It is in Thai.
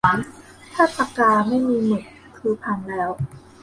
ถ้าปากกาไม่มีหมึกคือพังแล้ว